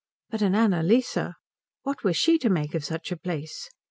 But an Annalise what was she to make of such a place?